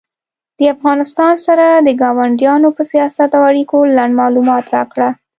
د افغانستان سره د کاونډیانو په سیاست او اړیکو لنډ معلومات راکړه